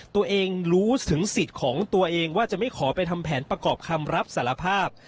ตัวเองรู้ถึงสิทธิ์ของตัวเองว่าจะไม่ขอไปทำแผนประกอบคำรับสารภาพ